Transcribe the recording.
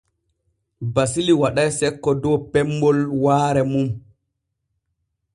Basili waɗay sekko dow pemmol waare mum.